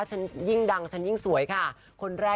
ฉันยิ่งดังฉันยิ่งสวยค่ะคนแรก